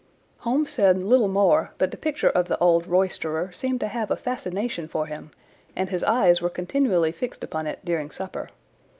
Holmes said little more, but the picture of the old roysterer seemed to have a fascination for him, and his eyes were continually fixed upon it during supper.